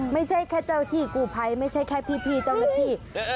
ไม่ใช่แค่เจ้าที่กูภัยไม่ใช่แค่พี่เจ้าหน้าที่